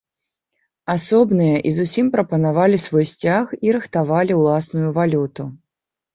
Асобныя і зусім прапанавалі свой сцяг і рыхтавалі ўласную валюту.